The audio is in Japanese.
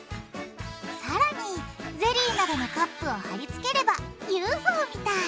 さらにゼリーなどのカップを貼りつければＵＦＯみたい！